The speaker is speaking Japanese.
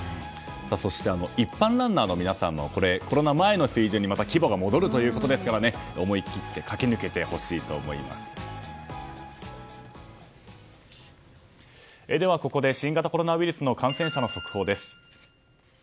そして一般ランナーの皆さんもコロナ前の水準に規模が戻るということですから思い切ってここで新型コロナウイルスの感染者の速報です。